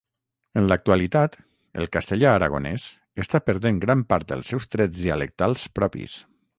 En l'actualitat, el castellà aragonès està perdent gran part dels seus trets dialectals propis.